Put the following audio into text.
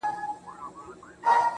پښتې ستري تر سترو، استثناء د يوې گوتي.